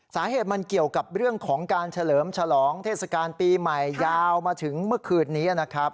สาเหตุมันเกี่ยวกับเรื่องของการเฉลิมฉลองเทศกาลปีใหม่ยาวมาถึงเมื่อคืนนี้นะครับ